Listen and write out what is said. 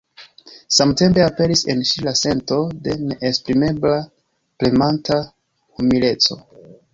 Samtempe aperis en ŝi la sento de neesprimebla premanta humileco.